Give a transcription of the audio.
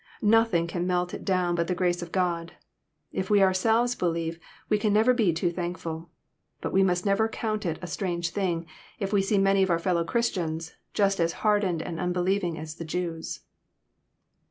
Nothing can melt it down but the grace of God. If we ourselves believe, we can never be too thankful. But we must never count it a strange thing, if we see many of our fellow Christians just as hardened and unbelieving as the Jews.